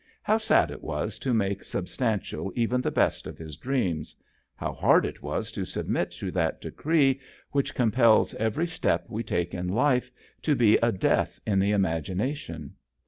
How sad it was to make sub stantial even the best of his dreams. How hard it was to submit to that decree which com pels every step we take in life to be a death in the imagination.